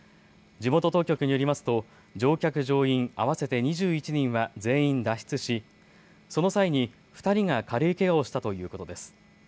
地元当局によりますと乗客乗員合わせて２１人は全員脱出しその際に２人が軽いけがをしたということです。